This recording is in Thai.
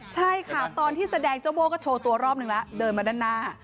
ใช่ค่ะตอนที่แสดงเจ้าโบ้ก็โชว์ตัวรอบนึงแล้วเดินมาด้านหน้า